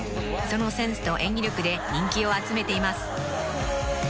［そのセンスと演技力で人気を集めています］